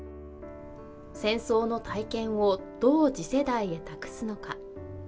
戦争の体験をどう次世代へ託すのか。